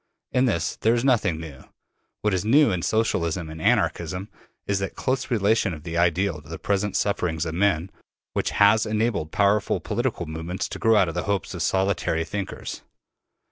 In this there is nothing new. What is new in Socialism and Anarchism, is that close relation of the ideal to the present sufferings of men, which has enabled powerful political movements to grow out of the hopes of solitary thinkers.